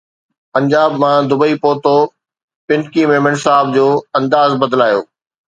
پنجاب مان دبئي پهتو پنڪي ميمڻ صاحب جو انداز بدلايو